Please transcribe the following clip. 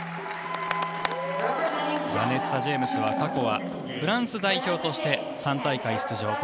バネッサ・ジェイムスは過去はフランス代表として３大会出場。